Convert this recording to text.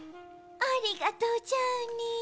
ありがとうジャーニー。